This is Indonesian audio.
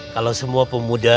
kalau semua pemuda